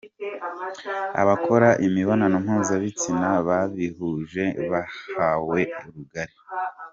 Abakora imibonano mpuzabitsina babihuje bahawe rugari